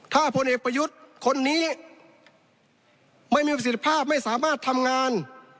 ถ้าพลเอกประยุทธ์คนนี้ไม่มีประสิทธิภาพไม่สามารถทำงาน